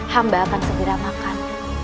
hamba akan segera makan